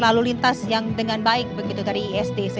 lalu lintas yang dengan baik begitu dari istc